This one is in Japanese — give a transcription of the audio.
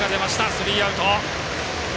スリーアウト。